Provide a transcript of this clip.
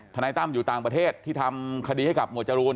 นายตั้มอยู่ต่างประเทศที่ทำคดีให้กับหมวดจรูน